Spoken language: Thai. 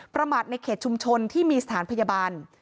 ประมาทในเขตชุมชนที่มีสถานพยาบาล